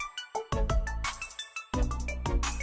ini akan dekat